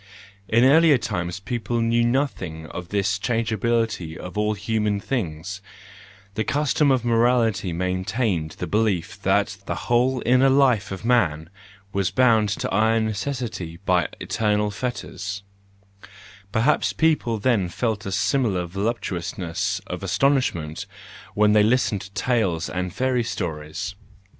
In earlier times people knew nothing of this changeability of all human things ; the custom of morality maintained the belief that the whole inner life of man was bound to iron necessity by eternal fetters:—perhaps people then felt a similar voluptuousness of astonishment when they listened to tales and fairy stories.